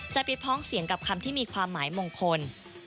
ไปพ้องเสียงกับคำที่มีความหมายมงคล